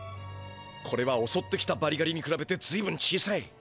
これはおそってきたバリガリにくらべてずいぶん小さい。